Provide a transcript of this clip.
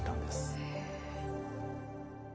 へえ。